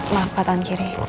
maaf pak tangan kiri